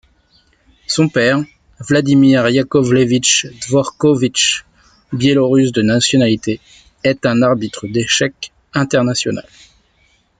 Son père, Vladimir Iakovlévitch Dvorkovitch, biélorusse de nationalité, est un arbitre d’échecs international.